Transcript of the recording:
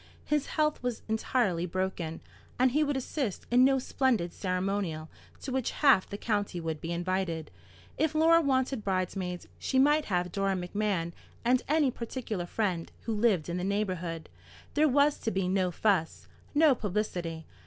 His health was entirely broken, and he would assist in no splendid ceremonial to which half the county would be invited. If Laura wanted bridesmaids, she might have Dora Macmahon and any particular friend who lived in the neighbourhood. There was to be no fuss, no publicity.